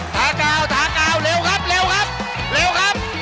ทะกาวเร็วครับ